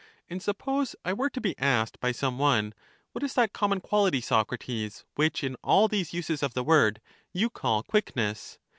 And suppose I were to be asked by some one : What is that common quality, Socrates, which, in all these uses of the word, you call quickness?